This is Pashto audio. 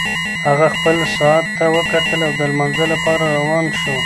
هغه خپل ساعت ته وکتل او د لمانځه لپاره روان شو.